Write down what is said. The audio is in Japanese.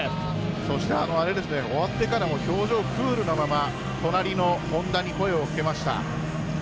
そして、終わってからも表情、クールなまま隣の本多に声をかけました。